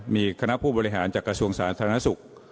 มีคณะผู้บริหารจากกระทรวงสาธารณสุข